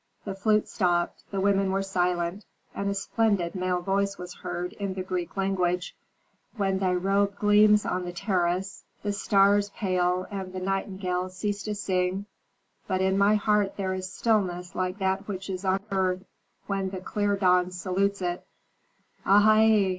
The flute stopped, the women were silent, and a splendid male voice was heard, in the Greek language: "When thy robe gleams on the terrace, the stars pale and the nightingales cease to sing, but in my heart there is stillness like that which is on earth when the clear dawn salutes it " "Áha ā!